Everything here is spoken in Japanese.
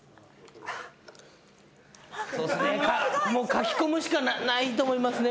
かき込むしかないと思いますね。